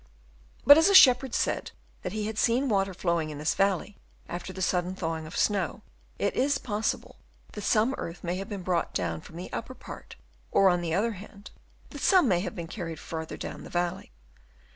But as a shepherd said that he had seen water flow ing in this valley after the sudden thawing of snow, it is possible that some earth may have been brought down from the upper part ; or, on the other hand, that some may have been Chap. VI. MOULD OVER THE CHALK. 305 carried further down the valley.